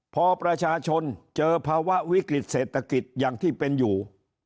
พอประชาชนเจอภาวะวิกฤตเศรษฐกิจอย่างที่เป็นอยู่